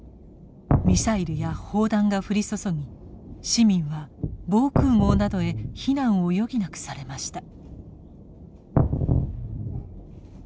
ミサイルや砲弾が降り注ぎ市民は防空壕などへ避難を余儀なくされました。